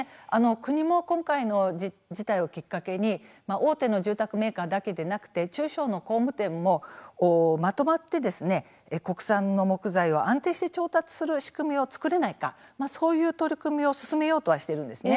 国も今回の事態をきっかけに大手の住宅メーカーだけではなくて中小の工務店もまとまって国産の木材を安定して調達する仕組みを作れないかそういう取り組みを進めようとはしているんですね。